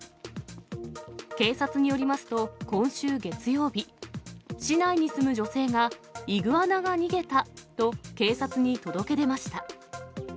警察によりますと、今週月曜日、市内に住む女性が、イグアナが逃げたと、警察に届け出ました。